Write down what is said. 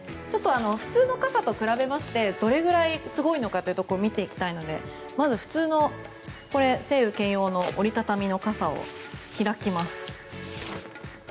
普通の傘と比べますとどれくらいすごいかを見ていきたいのでまず普通の晴雨兼用の折り畳みの傘を開きます。